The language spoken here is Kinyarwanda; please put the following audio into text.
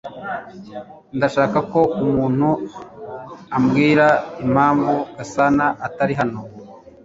Ndashaka ko umuntu ambwira impamvu Gasana atari hano